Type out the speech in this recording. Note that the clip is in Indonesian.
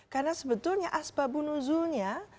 karena sebetulnya asbabunuzulnya